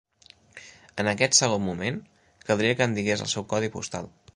En aquest segon moment, caldria que em digués el seu codi postal.